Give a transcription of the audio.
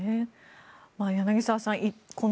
柳澤さん